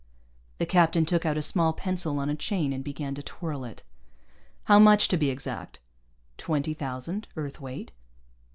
The captain took out a small pencil on a chain and began to twirl it. "How much, to be exact?" "Twenty thousand, Earth weight."